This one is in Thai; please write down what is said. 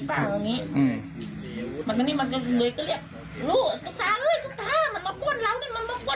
เหมือนกันนี่มันเลยก็เรียกลูกตุ๊กตาเฮ้ยตุ๊กตา